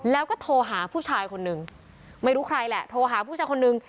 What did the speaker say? แล้วก็โทรหาผู้ชายคนนึงไม่รู้ใครแหละโทรหาผู้ชายคนนึง